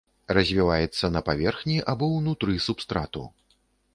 Развіваецца на паверхні або ўнутры субстрату.